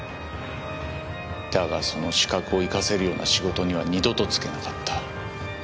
だがその資格を生かせるような仕事には二度と就けなかった。